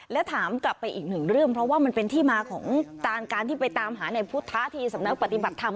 และถามกลับไปอีกหนึ่งเรื่องเพราะว่ามันเป็นที่มาของการที่ไปตามหาในพุทธที่สำนักปฏิบัติธรรม